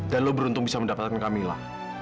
dan lo beruntung bisa mendapatkan kamila